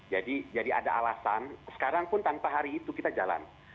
jadi jadi ada alasan sekarang pun tanpa hari itu kita jalan